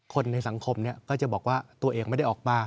คนในสังคมก็จะบอกว่าตัวเองไม่ได้ออกมา